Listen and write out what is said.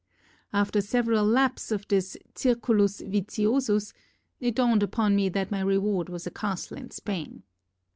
After several laps of this circulus viciosus, it dawned upon me that my reward was a castle in Spain.